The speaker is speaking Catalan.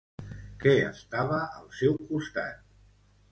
Què estava al seu costat?